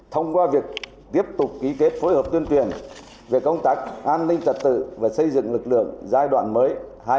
thông qua việc tiếp tục ký kết phối hợp tuyên truyền về công tác an ninh trật tự và xây dựng lực lượng giai đoạn mới hai nghìn hai mươi hai nghìn hai mươi năm